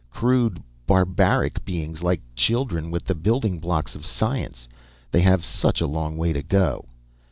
Crude, barbaric beings, like children with the building blocks of science. They have such a long way to go